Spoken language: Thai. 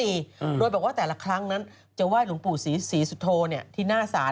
โดยบอกว่าแต่ละครั้งนั้นจะไหว้หลวงปู่ศรีศรีสุโธเนี่ยที่หน้าศาล